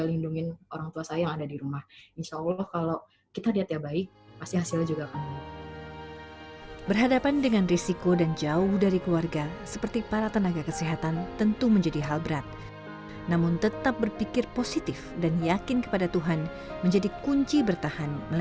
lindungi orangtua saya yang ada di rumah insyaallah kalau saya bisa melindungi orangtua saya yang ada di rumah insyaallah kalau kalau saya bisa melindungi orangtua saya yang ada di rumah insyaallah kalau